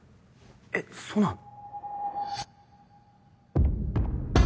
えっそうなの？